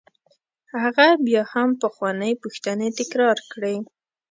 هغه بیا هم پخوانۍ پوښتنې تکرار کړې.